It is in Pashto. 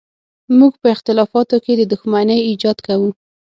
موږ په اختلافاتو کې د دښمنۍ ایجاد کوو.